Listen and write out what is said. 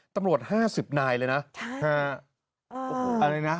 ตำรวจ๕๐นายเลยนะ